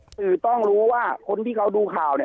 สื่อต้องรู้ว่าคนที่เขาดูข่าวเนี่ย